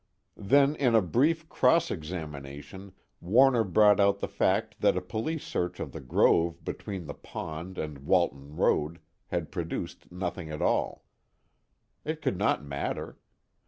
Then in a brief cross examination Warner brought out the fact that a police search of the grove between the pond and Walton Road had produced nothing at all. It could not matter.